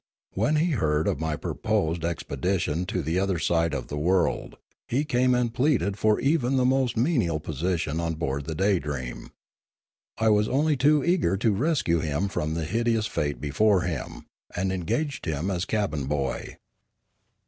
When he heard of my proposed expedition to the other side of the world, he came and pleaded for even the Choktroo 199 most menial position on board the Daydream. I was only too eager to rescue him from the hideous fate be fore him, and engaged him as cabin boy.